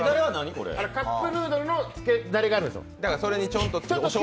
カップヌードルのつけだれがあるんですよ。